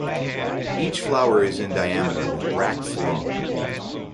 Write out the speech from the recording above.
Each flower is in diameter with bracts long.